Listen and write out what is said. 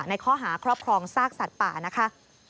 ในข้อหาครอบครองซากสัตว์ป่านะคะ